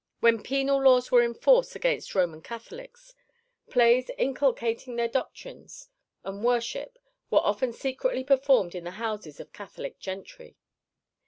When penal laws were in force against Roman Catholics, plays inculcating their doctrines and worship were often secretly performed in the houses of Catholic gentry.